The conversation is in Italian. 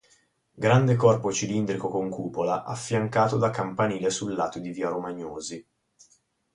Grande corpo cilindrico con cupola affiancato da campanile sul lato di via Romagnosi.